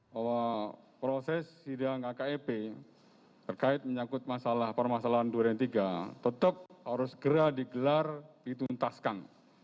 bahwa proses sidang akep terkait menyangkut masalah permasalahan durian tiga tetap harus segera digelar dituntaskan